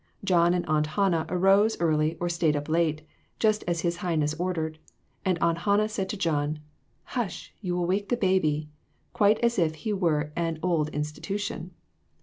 John and Aunt Hannah arose early or stayed up late, just as his highness ordered ; and Aunt Hannah said to John "Hush, you will wake the baby," quite as if he were an old institution.